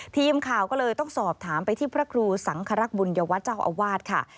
ทีมข่าวก็เลยต้องสอบถามไปที่พระครูสังครักษ์บุญยวัตรเจ้าอาวาสค่ะ